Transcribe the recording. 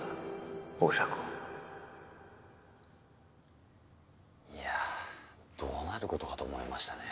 おしゃ子いやどうなることかと思いましたね。